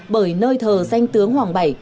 bởi nơi thờ danh tướng hoàng bảy